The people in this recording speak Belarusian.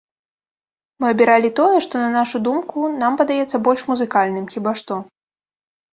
Мы абіралі тое, што, на нашу думку, нам падаецца больш музыкальным, хіба што.